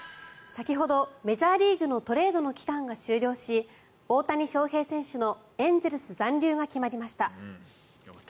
先ほど、メジャーリーグのトレードの期間が終了し大谷翔平選手のエンゼルス残留が決まりました。